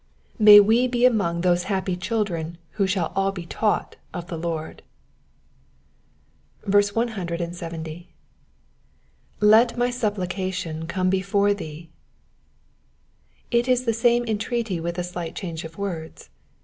May we be among those happy children who shall all be taught of the Lord. 170. Xtft my supplication come before thee.'^^ It is the same entreaty with a slight change of words.